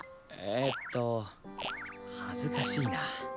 えっと恥ずかしいな。